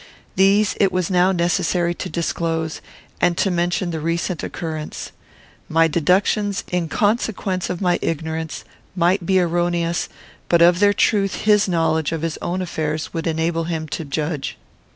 These it was now necessary to disclose, and to mention the recent occurrence. My deductions, in consequence of my ignorance, might be erroneous; but of their truth his knowledge of his own affairs would enable him to judge.